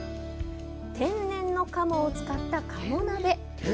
天然の鴨を使った鴨鍋。